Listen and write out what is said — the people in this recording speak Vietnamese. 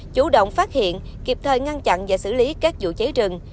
chủ động phát hiện kịp thời ngăn chặn và xử lý các vụ cháy rừng